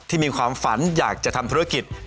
มีความฝันอยากจะทำธุรกิจ